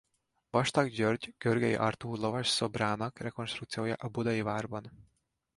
Vastagh György Görgei Artúr lovasszobrának rekonstrukciója a Budai várban.